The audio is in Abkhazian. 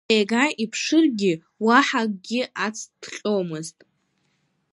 Ега иԥшыргьы, уаҳа акгьы ацҭҟьомызт.